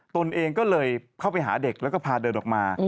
ตนเองก็เลยเข้าไปหาเด็กแล้วก็พาเดินออกมา